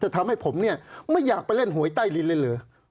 จะทำให้ผมไม่อยากไปเล่นหวยใต้ดินเรื่อย